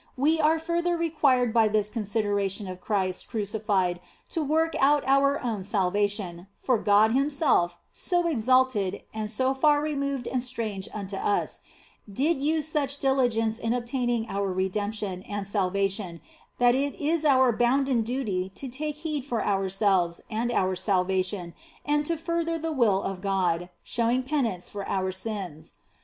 We are further required by 42 THE BLESSED ANGELA this consideration of Christ crucified to work out our own salvation ; for God Himself, so exalted (and so far removed and strange unto us), did use such diligence in obtaining our redemption and salvation that it is our bounden duty to take heed for ourselves and our salvation and to further the will of God, showing penitence for our sins.